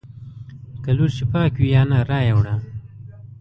که لوښي پاک وي یا نه رایې وړه!